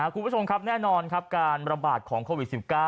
คุณผู้ชมครับแน่นอนครับการระบาดของโควิด๑๙